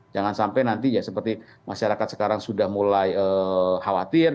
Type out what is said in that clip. jangan sampai nanti ya seperti masyarakat sekarang sudah mulai khawatir